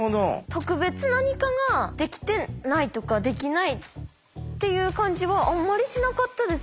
特別何かができてないとかできないっていう感じはあんまりしなかったです